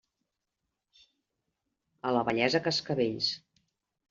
A la vellesa, cascavells.